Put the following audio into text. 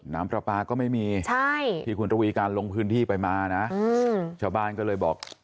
น้ำปลาปลาก็ไม่มีที่คุณระวีการลงพื้นที่ไปมานะชาวบ้านก็เลยบอก